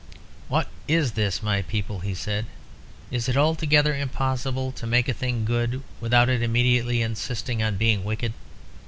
"What is this, my people?" he said. "Is it altogether impossible to make a thing good without it immediately insisting on being wicked?